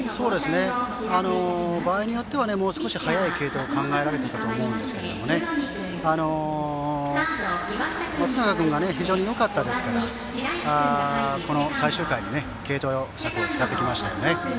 場合によってはもう少し早い継投を考えていたと思いますが松永君が非常によかったですからこの最終回に継投策を使ってきましたね。